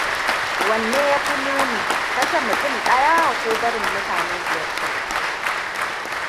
Wanne ya fi muni, kashe mutum ɗaya ko barin mutane biyar su mutu?